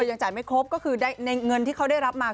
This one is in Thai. ยังจ่ายไม่ครบก็คือในเงินที่เขาได้รับมา